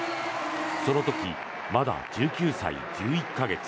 その時、まだ１９歳１１か月。